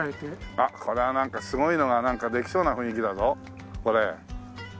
あっこれはなんかすごいのができそうな雰囲気だぞこれ。